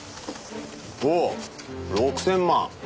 おお６０００万。